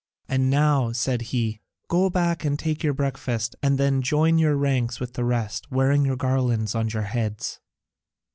And now," said he, "go back and take your breakfast, and then join your ranks with the rest, wearing your garlands on your heads."